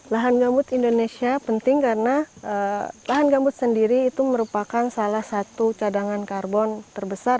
lahan gambut indonesia penting karena lahan gambut sendiri itu merupakan salah satu cadangan karbon terbesar